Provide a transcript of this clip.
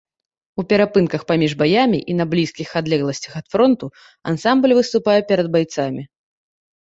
У перапынках паміж баямі і на блізкіх адлегласцях ад фронту ансамбль выступае перад байцамі.